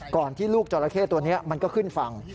ที่ลูกจราเข้ตัวนี้มันก็ขึ้นฝั่ง